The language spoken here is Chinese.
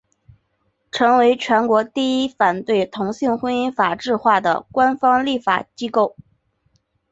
成为全国第一个反对同性婚姻法制化的官方立法机构。